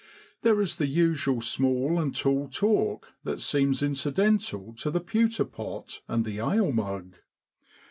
There is the usual small and tall talk that seems incidental to the pewter pot and the ale mug.